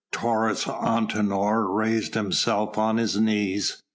Taurus Antinor raised himself on his knees.